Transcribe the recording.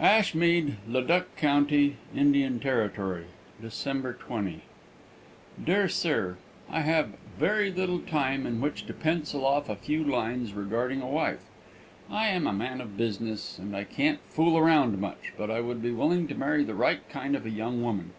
"ASHMEAD, LEDUC CO., I.T.,} "December 20.} "DEAR SIR I have very little time in which to pencil off a few lines regarding a wife. I am a man of business, and I can't fool around much, but I would be willing to marry the right kind of a young woman.